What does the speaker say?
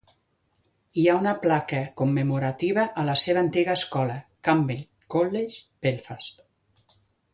Hi ha una placa commemorativa a la seva antiga escola, Campbell College, Belfast.